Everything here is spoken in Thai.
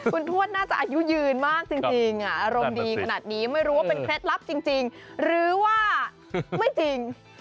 คุณทวดน่าจะอายุยืนมากจริงอารมณ์ดีขนาดนี้ไม่รู้ว่าเป็นเคล็ดลับจริงหรือว่าไม่จริง